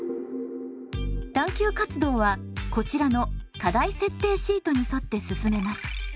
探究活動はこちらの課題設定シートに沿って進めます。